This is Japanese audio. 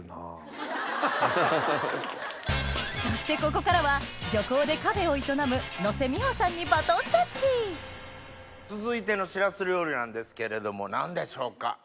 そしてここからは漁港でカフェを営むにバトンタッチ続いてのしらす料理なんですけれども何でしょうか？